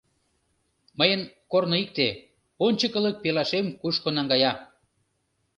— Мыйын корно икте: ончыклык пелашем кушко наҥгая.